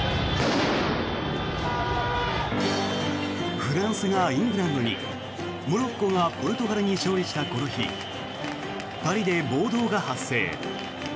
フランスがイングランドにモロッコがポルトガルに勝利したこの日パリで暴動が発生。